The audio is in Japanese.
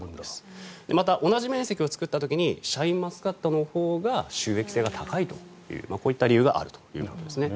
また、同じ面積を作った時にシャインマスカットのほうが収益性が高いという理由があるということですね。